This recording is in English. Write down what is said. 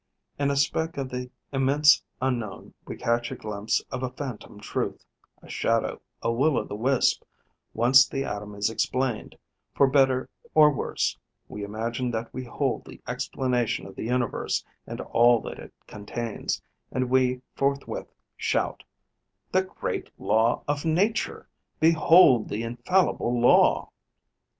In a speck of the immense unknown we catch a glimpse of a phantom truth, a shadow, a will o' the wisp; once the atom is explained, for better or worse, we imagine that we hold the explanation of the universe and all that it contains; and we forthwith shout: 'The great law of Nature! Behold the infallible law!'